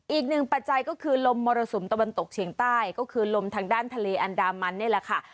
ปัจจัยก็คือลมมรสุมตะวันตกเฉียงใต้ก็คือลมทางด้านทะเลอันดามันนี่แหละค่ะ